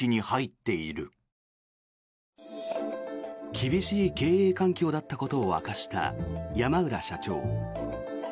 厳しい経営環境だったことを明かした山浦社長。